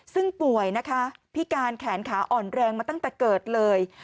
ซึ่งป่วยนะคะพิการแขนขาอ่อนแรงมาตั้งแต่เกิดเลย